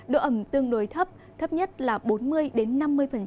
độ ẩm tương đối thấp thấp nhất là bốn mươi đến năm mươi